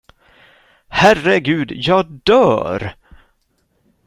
Herregud, jag dör!